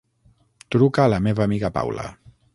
Truca a la meva amiga Paula.